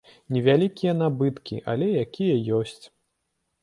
Невялікія набыткі, але якія ёсць.